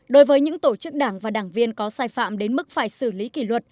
đối với những tổ chức đảng và đảng viên có sai phạm đến mức phải xử lý kỷ luật